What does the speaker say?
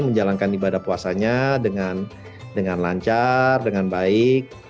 menjalankan ibadah puasanya dengan lancar dengan baik